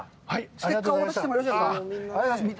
ステッカーを渡してもよろしいですか。